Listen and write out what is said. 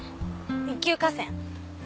一級河川。